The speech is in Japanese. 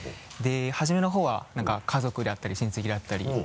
で初めの方は何か家族であったり親戚だったり。